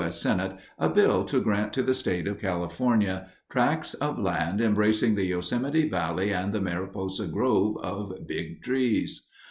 S. Senate a bill to grant to the State of California tracts of land embracing the Yosemite Valley and the Mariposa Grove of Big Trees.